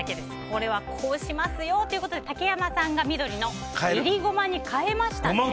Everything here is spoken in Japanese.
これはこうしますよということで竹山さんが緑のいりゴマに変えましたね。